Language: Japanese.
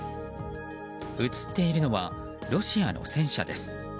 映っているのはロシアの戦車です。